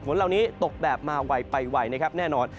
ฝนเหล่านี้ตกแบบมาไวไปไวนะครับแน่นอน